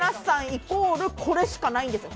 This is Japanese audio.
イコールこれしかないんですよ。